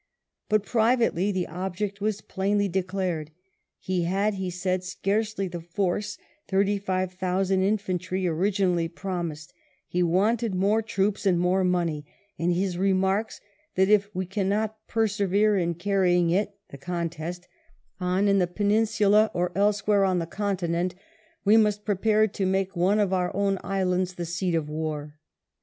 But privately the object was plainly declared He had, he said, scarcely the force, thirty five thousand infantry, originally promised; he wanted more troops and more money ; and he remarks that " if we cannot persevere in carrying it [the contest] on in the Peninsula, or elsewhere on the continent^ we must prepare to make one of our own islands the seat of war."